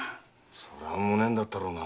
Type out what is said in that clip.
そりゃ無念だったろうな。